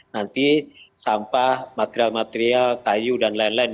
nanti sampah material material kayu dan lain lain